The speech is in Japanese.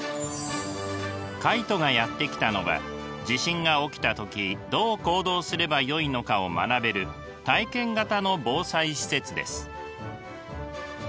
カイトがやって来たのは地震が起きた時どう行動すればよいのかを学べる体験型の防災施設です。